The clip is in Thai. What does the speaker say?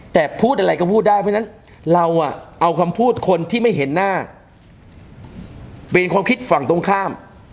แต่พูดอะไรก็พูดได้เพราะฉะนั้นเราเอาคำพูดคนที่ไม่เห็นหน้าเป็นความคิดฝั่งตรงข้าม